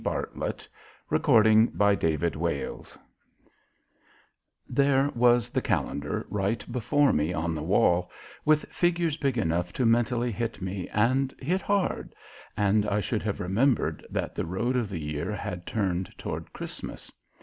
VIII CHRISTMAS WITH JIM'S FRIENDS There was the calendar right before me on the wall, with figures big enough to mentally hit me and hit hard, and I should have remembered that the road of the year had turned toward Christmas.